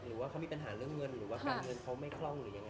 หรือว่าเขามีปัญหาเรื่องเงินหรือว่าการเงินเขาไม่คล่องหรือยังไง